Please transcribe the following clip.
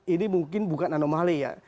ini mungkin bukan anomali ya